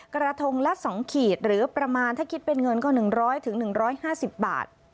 กระทงละ๒ขีดหรือประมาณถ้าคิดเป็นเงินก็๑๐๐๑๕๐บาท